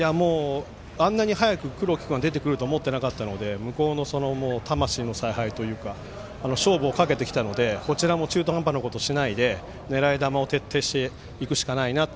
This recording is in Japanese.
あんなに早く黒木君が出ると思わなかったので魂の采配というか勝負をかけてきたので、こちらも中途半端なことをしないで狙い球を徹底していくしかない。